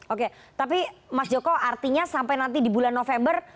oke tapi mas joko artinya sampai nanti di bulan november